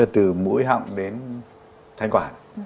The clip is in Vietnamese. từ mũi hậm đến thanh quản